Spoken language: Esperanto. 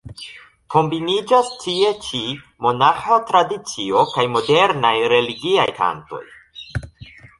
Kombiniĝas tie ĉi monaĥa tradicio kaj modernaj religiaj kantoj.